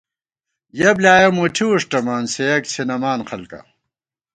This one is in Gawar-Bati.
یَہ بۡلیایَہ مُٹھی وُݭٹَمان سےیَک څھِنَمان خلکا